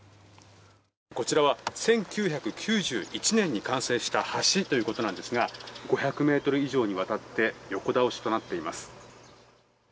こちらは１９９１年に完成した橋ということなんですが５００ｍ以上にわたって横倒しとなっています。